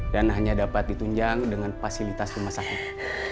dan hanya dapat ditunjang dengan fasilitas rumah sakit